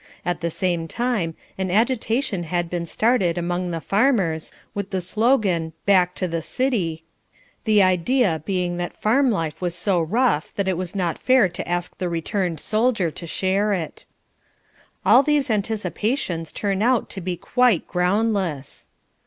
At the same time an agitation had been started among the farmers, with the slogan "Back to the city," the idea being that farm life was so rough that it was not fair to ask the returned soldier to share it. All these anticipations turn out to be quite groundless.